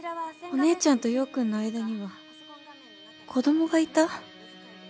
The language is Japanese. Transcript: お姉ちゃんと陽君の間には子どもがいた？